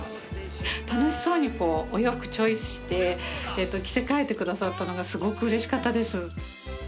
楽しそうにお洋服チョイスして着せ替えてくださったのがすごくうれしかったです。